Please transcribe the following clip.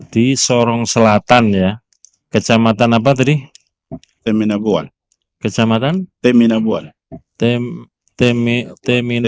di sorong selatan ya kecamatan apa tadi temen abuwan kecamatan temen abuwan tem temen temen